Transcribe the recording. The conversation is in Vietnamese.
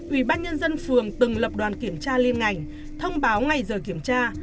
ubnd phường từng lập đoàn kiểm tra liên ngành thông báo ngay giờ kiểm tra